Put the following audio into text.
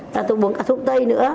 rồi tôi uống cả thuốc tây nữa